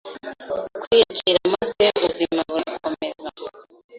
kwiyakira maze ubuzima burakomeza.